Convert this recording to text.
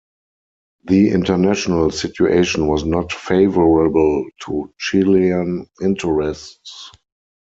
The international situation was not favorable to Chilean interests.